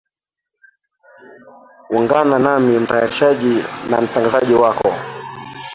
ungana nami mtayarishaji na mtangazaji wako